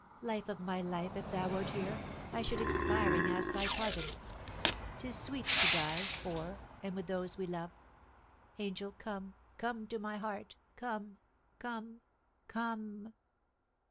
Life of my Life, if thou wert here, I should expiring ask thy pardon. 'Tis sweet to die for and with those we love. Angel, come come to my heart come come come!"